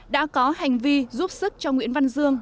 đã có hành vi giúp sức cho nguyễn văn dương